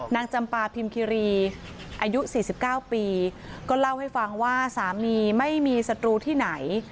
จำปาพิมคิรีอายุ๔๙ปีก็เล่าให้ฟังว่าสามีไม่มีศัตรูที่ไหน